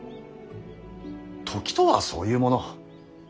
時とはそういうもの。